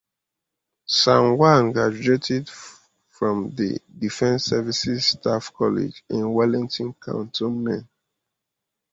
Sangwan graduated from the Defence Services Staff College in Wellington Cantonment.